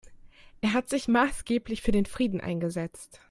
Er hat sich maßgeblich für den Frieden eingesetzt.